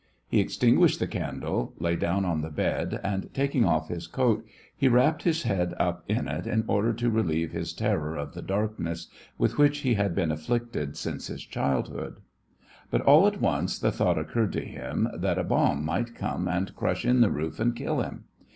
He extinguished the candle, lay down on the bed, and, taking off his coat, he wrapped his head up in it, in order to relieve his terror of the darkness, with which he had been afflicted since his childhood. But all at once the thought occurred to him that a bomb might come and crush in the roof and kill him.